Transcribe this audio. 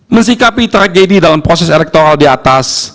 mensikapi tragedi dalam proses elektoral di atas